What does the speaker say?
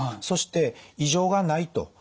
そして異常がないと。